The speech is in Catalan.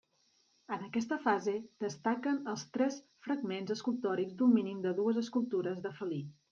En aquesta fase destaquen els tres fragments escultòrics d'un mínim de dues escultures de felí.